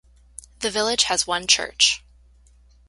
The village has one church.